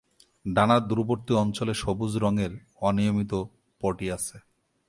ডানার দূরবর্তী অঞ্চলে সবুজ রঙের অনিয়মিত পটি আছে।